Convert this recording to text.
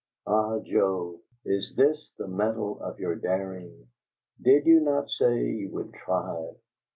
Ah! Joe, is THIS the mettle of your daring? Did you not say you would "try"?